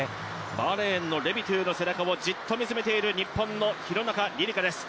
バーレーンのレビトゥの背中をじっと見つめている日本の廣中璃梨佳です。